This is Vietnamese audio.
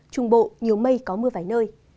trung bộ nhiều mây có mưa vài nơi